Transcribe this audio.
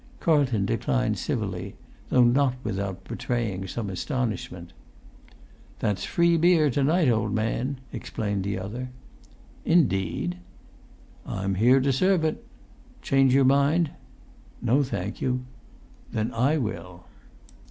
Carlton declined civilly, though not without betraying some astonishment. "That's free beer to night, old man," explained the other. "Indeed?" "I'm here to serve ut. Change your mind?" "No, thank you." "Then I will."